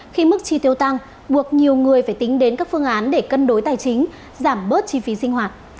khi mức chi tiêu tăng buộc nhiều người phải tính đến các phương án để cân đối tài chính giảm bớt chi phí sinh hoạt